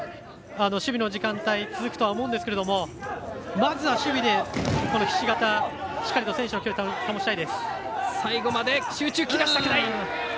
守備の時間帯、続くとは思うんですがまずは守備でひし形、しっかりと選手の距離を保ちたいです。